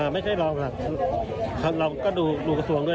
ไม่ใช่รองหลักเราก็ดูกระทรวงด้วย